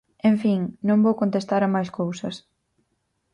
En fin, non vou contestar a máis cousas.